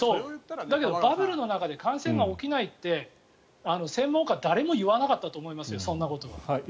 バブルの中で感染が起きないって専門家は誰も言わなかったと思いますよ。